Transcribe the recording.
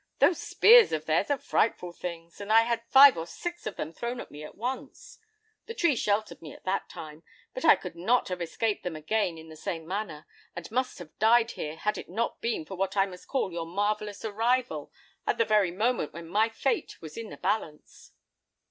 Those spears of theirs are frightful things; and I had five or six of them thrown at me at once. The tree sheltered me that time, but I could not have escaped them again in the same manner, and must have died here, had it not been for what I must call your marvellous arrival at the very moment when my fate was in the balance."